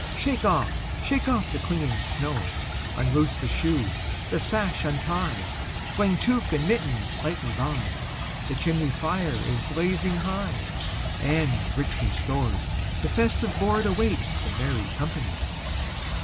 Shake off, shake off the clinging snow; Unloose the shoe, the sash untie, Fling tuque and mittens lightly by; The chimney fire is blazing high, And, richly stored, the festive boardAwaits the merry company.